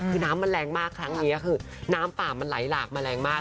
คือน้ำมันแรงมากครั้งนี้คือน้ำป่ามันไหลหลากมาแรงมาก